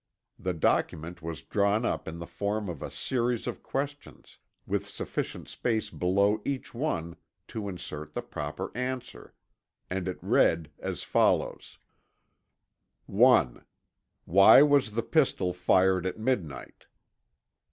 The document was drawn up in the form of a series of questions, with sufficient space below each one to insert the proper answer, and it read as follows: (1) Why was the pistol fired at midnight?